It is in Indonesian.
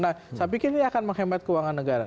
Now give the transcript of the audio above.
nah saya pikir ini akan menghemat keuangan negara